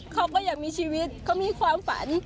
เขาก็อยากมีชีวิตเขามีความฝัน